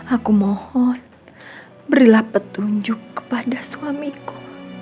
aku mohon berilah petunjuk kepada suamiku